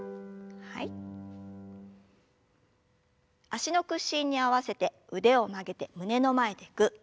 脚の屈伸に合わせて腕を曲げて胸の前でぐっ。